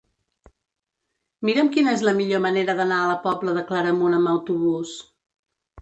Mira'm quina és la millor manera d'anar a la Pobla de Claramunt amb autobús.